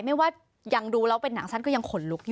ไม่ว่ายังดูแล้วเป็นหนังสั้นก็ยังขนลุกอยู่